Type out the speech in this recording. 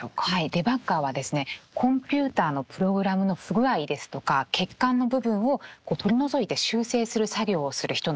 デバッガーはですねコンピューターのプログラムの不具合ですとか欠陥の部分を取り除いて修正する作業をする人のことをいいます。